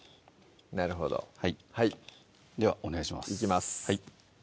なるほどはいではお願いしますいきます